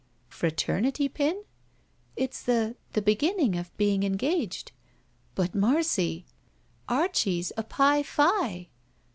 Fraternity pin?" It's the — ^the beginning of being engaged." But, Marcy— " "Archie's a H Phi!"